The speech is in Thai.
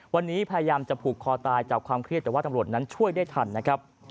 วันนี้พยายามจะผูกคอตายจากความเครียดแต่ว่าตำรวจนั้นช่วยได้ทันนะครับ